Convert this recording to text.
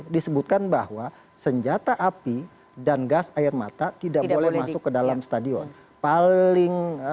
disebutkan bahwa senjata api dan gas air mata tidak boleh masuk ke dalam stadion paling